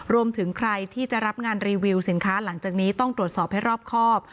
รวมถึงใครที่จะรับงานรีวิวสินค้าหลังจากนี้ต้องตรวจสอบให้รอบครอบ